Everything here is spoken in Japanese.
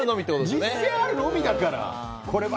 実践あるのみだから！